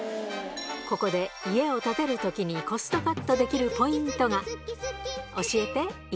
ここで、家を建てるときにコストカットできるポイントが。